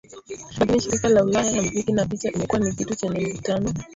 Lakini shirika la ulaya ya muziki na picha imekuwa ni kitu chenye mvutano